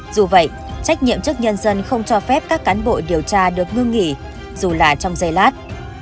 dù vậy trách nhiệm chức nhân dân không cho phép các cán bộ điều tra được ngưng nghỉ dù là trong dây lát